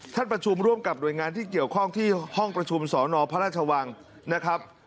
ท่านประชุมร่วมกับหน่วยงานที่เกี่ยวข้องที่ห้องประชุมสนพระราชวังนะครับ